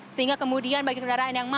sehingga kemudian bagi kendaraan yang masuk